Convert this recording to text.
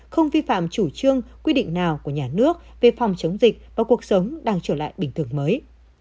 không vi phạm chủ trương quy định nào của nhà nước về phòng chống dịch và cuộc sống đang trở lại bình thường mới